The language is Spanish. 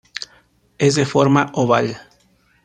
Es de forma oval.